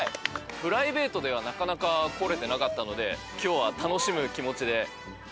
プライベートではなかなか来れてなかったので今日は楽しむ気持ちでいっぱいです。